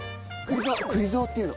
くり蔵っていうの。